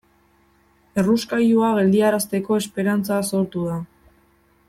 Errauskailua geldiarazteko esperantza sortu da.